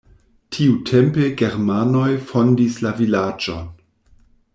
Tiutempe germanoj fondis la vilaĝon.